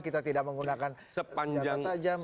kita tidak menggunakan senjata tajam dan lain hal